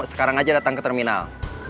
sekarang aja datang ke terminal